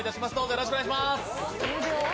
よろしくお願いします。